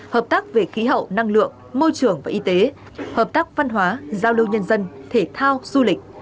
hợp tác về khí hậu năng lượng môi trường và y tế hợp tác văn hóa giao lưu nhân dân thể thao du lịch